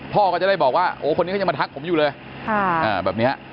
พ่อก็จะได้บอกว่าโอ้คนนี้เขายังมาทักผมอยู่เลยแบบนี้